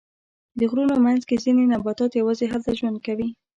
د غرونو منځ کې ځینې نباتات یواځې هلته ژوند کوي.